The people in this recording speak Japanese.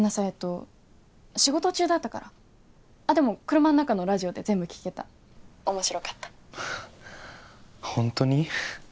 えと仕事中だったからでも車の中のラジオで全部聴けた☎面白かった本当に？